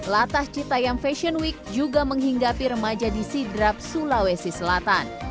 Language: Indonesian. latah cita yang fashion week juga menghinggapi remaja di sidrap sulawesi selatan